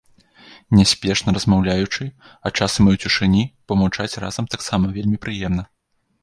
Няспешна, размаўляючы, а часам і ў цішыні, бо маўчаць разам таксама вельмі прыемна.